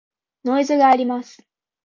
ノイズがあります。